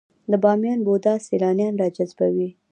د بامیان بودا سیلانیان راجذبوي؟